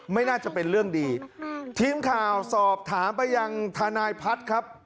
ไม่น่าจะเป็นเรื่องดีทีมข่าวสอบถามไปยังทนายพัฒน์ครับ